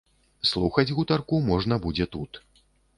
Слухаць гутарку можна будзе тут.